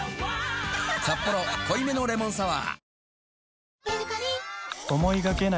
「サッポロ濃いめのレモンサワー」